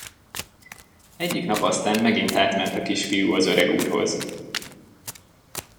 Egyik nap aztán megint átment a kisfiú az öregúrhoz.